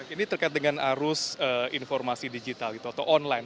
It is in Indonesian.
ini terkait dengan arus informasi digital gitu atau online